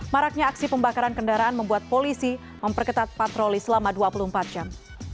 maraknya aksi pembakaran kendaraan membuat polisi memperketat patroli selama dua puluh empat jam